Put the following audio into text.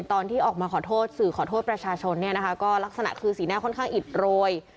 ตอนที่ออกมาขอโทษสื่อขอโทษประชาชนเนี่ยนะคะก็ลักษณะคือสีหน้าค่อนข้างอิดโรย